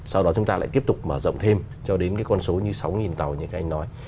sau đó chúng ta lại tiếp tục mở rộng thêm cho đến cái con số như sáu tàu như các anh nói